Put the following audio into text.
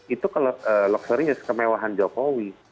itu kemewahan jokowi